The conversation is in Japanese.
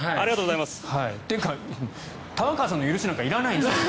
っていうか玉川さんの許しなんていらないんですよ。